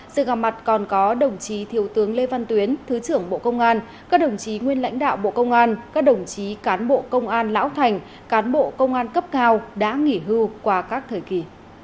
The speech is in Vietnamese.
sự gặp mặt còn có đồng chí thiếu tướng lê văn tuyến thứ trưởng bộ công an các đồng chí nguyên lãnh đạo bộ công an các đồng chí cán bộ công an lão thành cán bộ công an cấp cao đã nghỉ hưu qua các thời kỳ